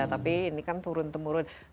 tapi ini kan turun temurun